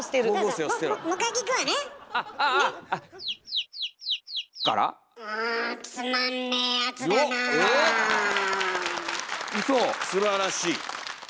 すばらしい。